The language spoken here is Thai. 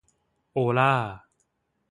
โอล่า